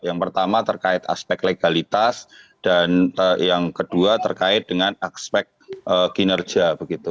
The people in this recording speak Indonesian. yang pertama terkait aspek legalitas dan yang kedua terkait dengan aspek kinerja